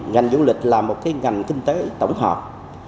ngành du lịch là một cái ngành kinh tế tổng hợp